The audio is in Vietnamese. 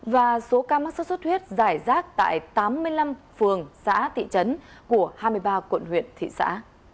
và số ca mắc sốt xuất huyết giải rác tại tám mươi năm phường xã thị trấn của hai mươi ba quận huyện thị xã